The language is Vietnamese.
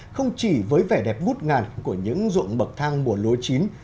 không chỉ với vẻ đẹp ngút ngàn của những ruộng bậc thang mùa lúa chín